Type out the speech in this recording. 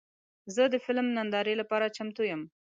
زه د فلم نندارې لپاره چمتو یم.